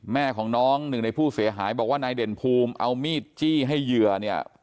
แม่ของน้องหนึ่งในผู้เสียหายบอกว่านายเด่นภูมิเอามีดจี้ให้เหยื่อเนี่ย